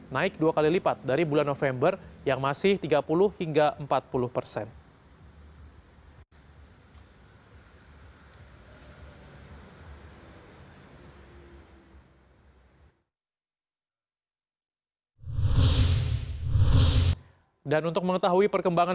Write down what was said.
naik dua kali lipat dari bulan november yang masih tiga puluh hingga empat puluh persen